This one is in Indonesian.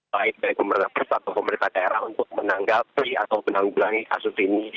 baik dari pemerintah pusat atau pemerintah daerah untuk menanggapi atau menanggulangi kasus ini